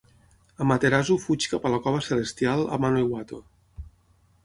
Amaterasu fuig cap a la cova celestial Amano-Iwato.